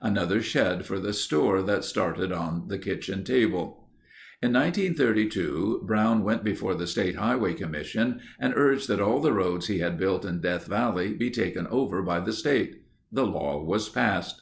Another shed for the store that started on the kitchen table. In 1932 Brown went before the State Highway Commission and urged that all the roads he had built in Death Valley be taken over by the state. The law was passed.